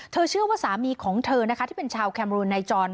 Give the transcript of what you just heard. เชื่อว่าสามีของเธอนะคะที่เป็นชาวแคมรูไนจอน